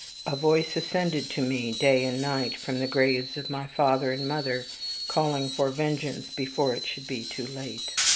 A voice ascended to me, day and night, from the graves of my father and mother, calling for vengeance before it should be too late.